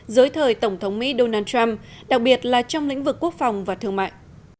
dưới thời tổng thống mỹ donald trump đặc biệt là trong lĩnh vực quốc phòng và thương mại